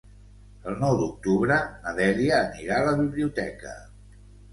El nou d'octubre na Dèlia anirà a la biblioteca.